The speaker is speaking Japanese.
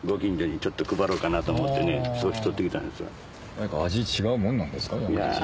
何か味違うもんなんですか？